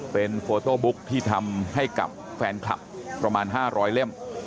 เป็นโฟโต้บุ๊กที่ทำให้กับแฟนคลับประมาณ๕๐๐เล่ม